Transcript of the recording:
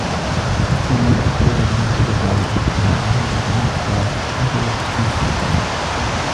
وَالثَّانِي مِنْ أَسْبَابِهِ الْقُدْرَةُ عَلَى الِانْتِصَارِ وَذَلِكَ مِنْ سَعَةِ الصَّدْرِ وَحُسْنِ الثِّقَةِ